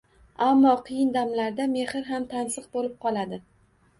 Ammo qiyin damlarda mehr ham tansiq bo‘lib qoladi.